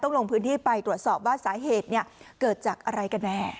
ลงพื้นที่ไปตรวจสอบว่าสาเหตุเกิดจากอะไรกันแน่